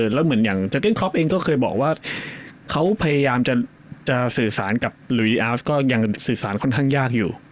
แล้วเหมือนอย่างเจอเก้นครอปเองก็เคยบอกว่าเขาพยายามจะสื่อสารกับลุยอีอาร์ฟก็ยังสื่อสารค่อนข้างยากอยู่